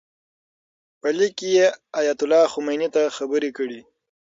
په لیک کې یې ایتالله خمیني ته خبرې کړي.